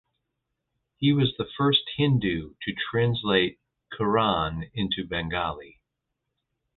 He was first Hindu to translate Quran into Bengali.